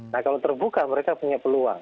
nah kalau terbuka mereka punya peluang